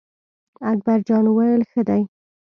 اکبر جان وویل: ښه دی.